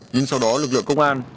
nhưng sau đó lực lượng công an